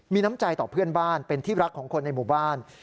มีน้ำใจต่อเพื่อนบ้านเป็นที่รักของคนในหมู่บ้าน